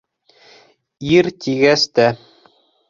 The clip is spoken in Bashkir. Ир тигәс тә...